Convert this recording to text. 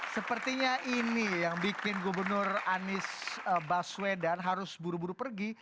sepertinya ini yang bikin gubernur anies baswedan harus buru buru pergi